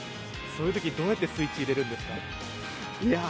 そういうときどうやってスイッチ入れるんですか？